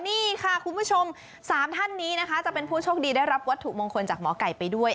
นี่ค่ะคุณผู้ชม๓ท่านนี้นะคะจะเป็นผู้โชคดีได้รับวัตถุมงคลจากหมอไก่ไปด้วย